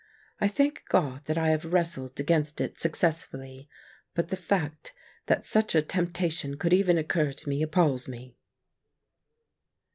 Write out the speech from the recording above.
I thank God that I have wrestled against it successfully ; but the fact that such a temptation could even occur to me appals me.